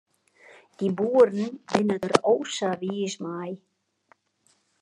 Dy boeren binne der o sa wiis mei.